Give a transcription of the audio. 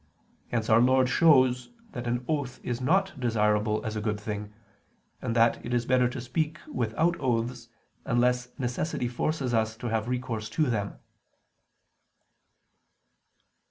Hence Our Lord shows that an oath is not desirable as a good thing; and that it is better to speak without oaths, unless necessity forces us to have recourse to them.